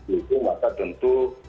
itu maka tentu